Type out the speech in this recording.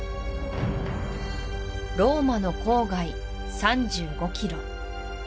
ローマの郊外３５キロ